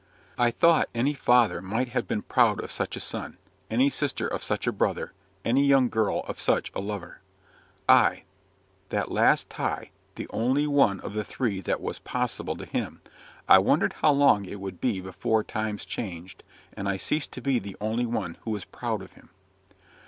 I thought any father might have been proud of such a son, any sister of such a brother, any young girl of such a lover. Ay, that last tie, the only one of the three that was possible to him I wondered how long it would be before times changed, and I ceased to be the only one who was proud of him.